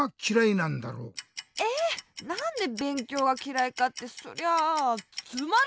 なんでべんきょうがきらいかってそりゃあつまらないからさ！